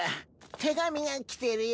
手紙が来てるよ。